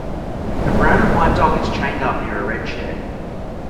A brown and white dog is chained up near a red chair.